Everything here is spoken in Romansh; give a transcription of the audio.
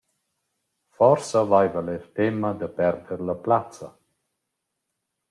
Forsa vaiva’l eir temma da perder la plazza.